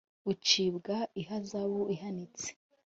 ucibwa ihazabu ihanitse